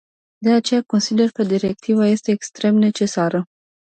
De aceea consider că directiva este extrem necesară.